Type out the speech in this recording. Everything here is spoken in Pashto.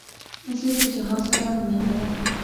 زه د جهاد سره مینه لرم.